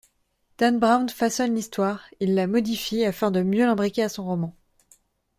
Dan Brown façonne l'histoire, il la modifie afin de mieux l'imbriquer à son roman.